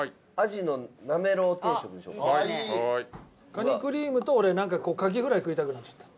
カニクリームと俺なんかカキフライ食いたくなっちゃった。